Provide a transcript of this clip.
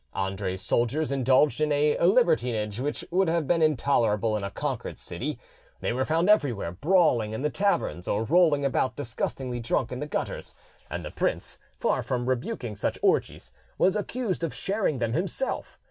Andre's soldiers indulged in a libertinage which would have been intolerable in a conquered city: they were found everywhere brawling in the taverns or rolling about disgustingly drunk in the gutters; and the prince, far from rebuking such orgies, was accused of sharing them himself.